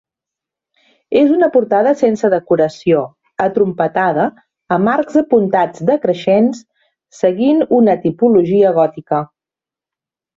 És una portada sense decoració, atrompetada, amb arcs apuntats decreixents, seguint una tipologia gòtica.